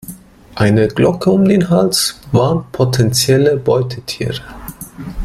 Eine Glocke um den Hals warnt potenzielle Beutetiere.